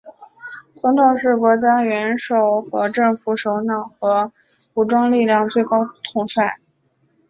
总统是国家元首和政府首脑和武装力量最高统帅。